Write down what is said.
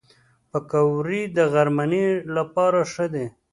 پکورې د غرمنۍ لپاره ښه دي